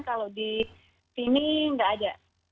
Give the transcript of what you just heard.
kalau di sini nggak ada